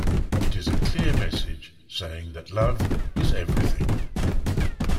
It is a clear message saying that love is everything.